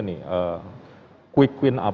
ini adalah pertanyaan dari saya